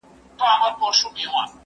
زه به درسونه اورېدلي وي!!